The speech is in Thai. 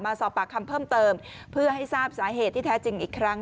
สอบปากคำเพิ่มเติมเพื่อให้ทราบสาเหตุที่แท้จริงอีกครั้ง